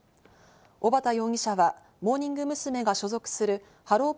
小幡容疑者はモーニング娘。が所属するハロー！